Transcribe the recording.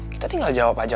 kita tinggal jawab aja